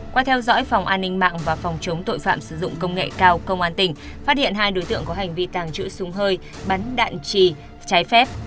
qua theo dõi phòng an ninh mạng và phòng chống tội phạm sử dụng công nghệ cao công an tỉnh phát hiện hai đối tượng có hành vi tàng trữ súng hơi bắn đạn trì trái phép